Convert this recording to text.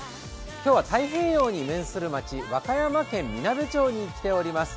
今日は太平洋に面する町、和歌山県みなべ町に来ています。